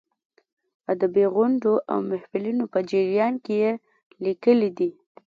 ادبي غونډو او محفلونو په جریان کې یې لیکلې دي.